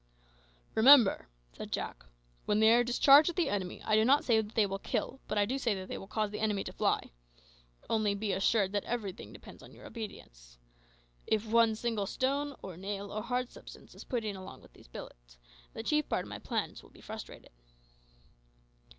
"Remember," said Jack, "when these are discharged at the enemy, I do not say that they will kill, but I do say that they will cause the enemy to fly. Only, be assured that everything depends on your obedience. And if one single stone, or nail, or hard substance is put in along with these bullets, the chief part of my plans will be frustrated."